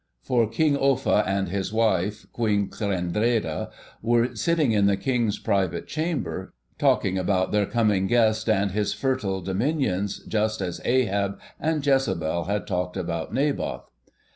For King Offa and his wife, Queen Quendreda, were sitting in the King's private chamber, talking about their coming guest and his fertile dominions, just as Ahab and Jezebel had talked about Naboth.